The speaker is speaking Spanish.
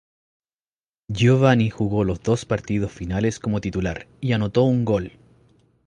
Giovanny jugó los dos partidos finales como titular y anotó un gol.